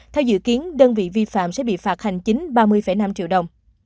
theo dự kiến đơn vị vi phạm sẽ bị phạt hành chính ba mươi năm triệu đồng